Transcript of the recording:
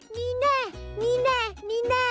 นี่แน่นี่แน่นี่แน่